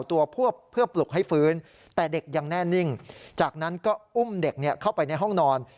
แต่เด็กยังแน่นิ่งจากนั้นก็อุ้มเด็กเข้าไปในห้องนอน